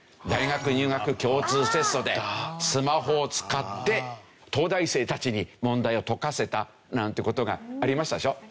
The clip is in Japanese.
大学入学共通テストでスマホを使って東大生たちに問題を解かせたなんて事がありましたでしょ。